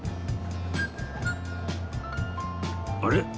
あれ？